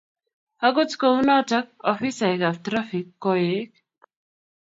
Akut kou notok, ofisaekab traffic koek.